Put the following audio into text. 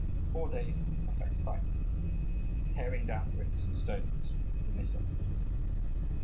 Four days did the Cossacks fight, tearing down bricks and stones for missiles.